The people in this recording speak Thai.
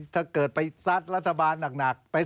ถ้าเกิดไปซัดรัฐบาลหนัก